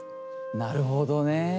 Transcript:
なるほどね。